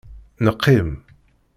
Neqqim.